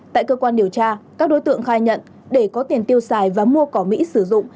tại cơ quan điều tra các đối tượng khai nhận để có tiền tiêu xài và mua cỏ mỹ sử dụng